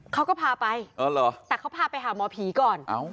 เขาก็พาไปแต่เขาพาไปหาหมอผีก่อน